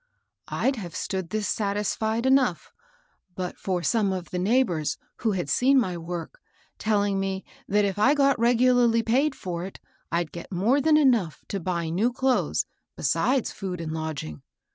I'd have stood this satisfied enough, but for some of the neighbors who had seen my work, telling me that if I got regularly paid for it, I'd get more than enough to buy new clothes, besides food and lodging.